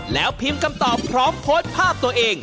แล้วพิมพ์คำตอบพร้อมโพสต์ภาพตัวเอง